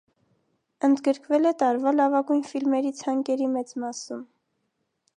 Ընդգրկվել է տարվա լավագույն ֆիլմերի ցանկերի մեծ մասում։